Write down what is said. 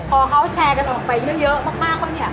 พอเขาแชร์กันออกไปเยอะมากปุ๊บเนี่ย